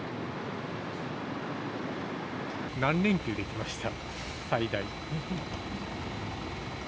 何連休できました？